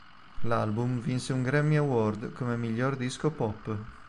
L'album vinse un Grammy Award come miglior disco Pop.